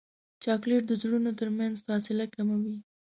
چاکلېټ د زړونو ترمنځ فاصله کموي.